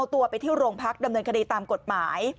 ตัวไปที่โรงพักดำเนินคดีตามกฎหมาย